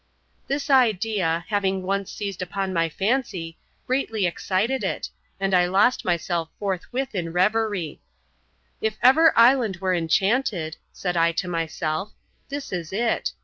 This idea, having once seized upon my fancy, greatly excited it, and I lost myself forthwith in revery. "If ever island were enchanted," said I to myself, "this is it.